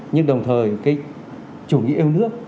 nhưng đồng thời cái chủ nghĩa yêu nước